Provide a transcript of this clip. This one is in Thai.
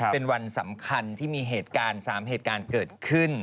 เป็นวันสำคัญที่มี๓เหตุการณ์เกิดขึ้น